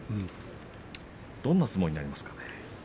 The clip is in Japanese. どんな相撲になりますかね。